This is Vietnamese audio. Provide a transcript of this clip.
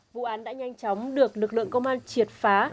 vụ án đã nhanh chóng được lực lượng công an triệt phá